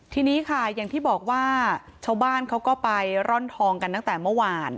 ทีนี้ค่ะอย่างที่บอกว่าชาวบ้านเขาก็ไปร่อนทองกันตั้งแต่เมื่อวาน